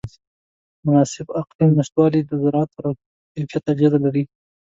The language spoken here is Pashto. د مناسب اقلیم نهشتوالی د زراعت پر کیفیت اغېز لري.